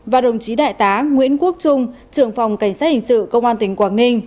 và đồng chí đại tá nguyễn quốc trung trưởng phòng cảnh sát hình sự công an tỉnh quảng ninh